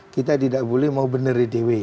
kita tidak boleh mau bener di dewi